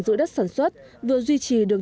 giữ đất sản xuất vừa duy trì được